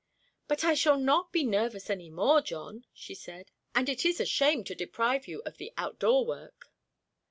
"But I shall not be nervous any more, John," she said; "and it is a shame to deprive you of the outdoor work."